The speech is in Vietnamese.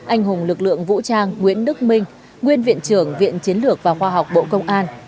anh hùng lực lượng vũ trang nguyễn đức minh nguyên viện trưởng viện chiến lược và khoa học bộ công an